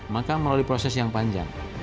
maka melalui proses yang panjang